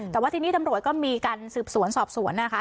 แต่ที่นี้หมากดนตรวจก็มีการสืบศวนสอบศวน